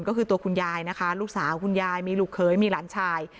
ก็คือตัวคุณยายนะคะลูกสาวคุณยายมีลูกเคยมีหลานชาย